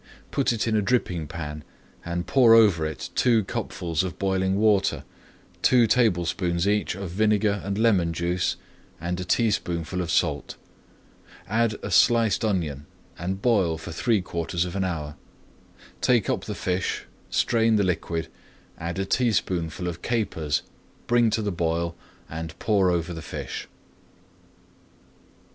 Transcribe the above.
Put it in a dripping pan and pour over it two cupfuls of boiling water, two tablespoonfuls each of vinegar and lemon juice, and a teaspoonful of salt. Add a sliced onion and boil for three quarters of an hour. Take up the fish, strain the liquid, add a teaspoonful of capers, bring to the boil, and pour over the fish.